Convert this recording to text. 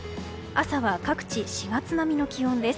朝は各地４月並みの気温です。